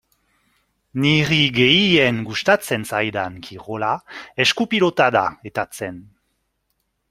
Niri gehien gustatzen zaidan kirola esku-pilota da eta zen.